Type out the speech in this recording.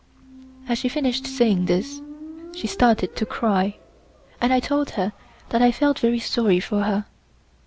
As she finished saying this, she started to cry, and I told her that I felt very sorry for her.